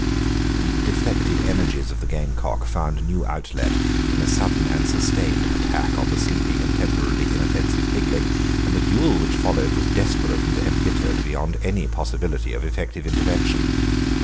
The deflected energies of the gamecock found new outlet in a sudden and sustained attack on the sleeping and temporarily inoffensive pigling, and the duel which followed was desperate and embittered beyond any possibility of effective intervention.